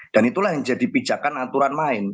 dan itulah yang jadi pijakan aturan main